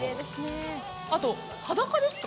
あと裸ですか？